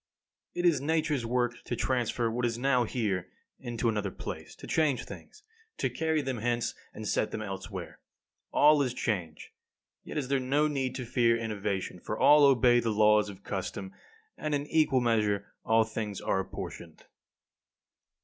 6. It is Nature's work to transfer what is now here into another place, to change things, to carry them hence, and set them elsewhere. All is change, yet is there no need to fear innovation, for all obey the laws of custom, and in equal measure all things are apportioned.